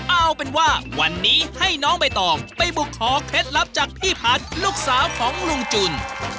เอาเป็นว่าวันนี้ให้น้องใบตองไปบุกขอเคล็ดลับจากพี่พัฒน์ลูกสาวของลุงจุน